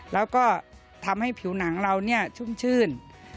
แล้วก็ทำให้ผิวหนังเราชุ่มชื่น